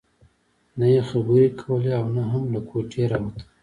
نه يې خبرې کولې او نه هم له کوټې راوته.